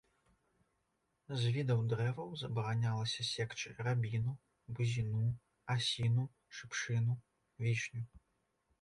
З відаў дрэваў забаранялася секчы рабіну, бузіну, асіну, шыпшыну, вішню.